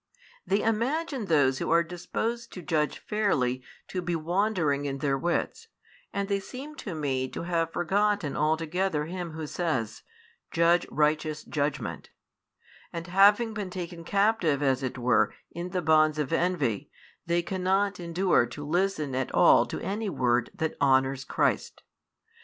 They imagine those who are disposed to judge fairly to be wandering in their wits, and they seem to me to have forgotten altogether Him Who says: Judge righteous judgment; and having been taken captive as it were in the bonds of envy, they cannot endure to listen at all to any word that honours Christ.